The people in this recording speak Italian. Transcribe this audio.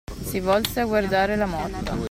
Si volse a guardare la morta.